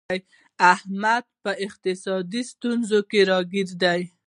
احمد په اقتصادي ستونزو کې راگیر دی